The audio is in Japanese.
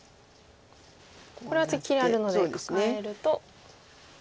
これは次切りあるのでカカえると。